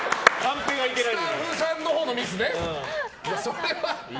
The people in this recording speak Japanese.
スタッフさんのほうのミスね。